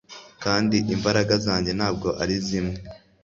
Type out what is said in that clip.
kandi imbaraga zanjye ntabwo ari zimwe